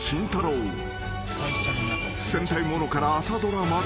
［戦隊物から朝ドラまで。